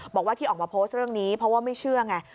บอกว่าที่ออกมาโพสต์เรื่องนี้เพราะว่าไม่เชื่อไง